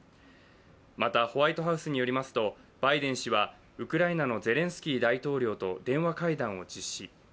またホワイトハウスによりますとバイデン氏はウクライナのゼレンスキー大統領と電話会談を実施。